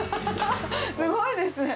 すごいですね。